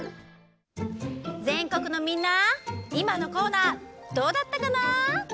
ぜんこくのみんないまのコーナーどうだったかな？